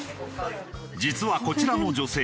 実はこちらの女性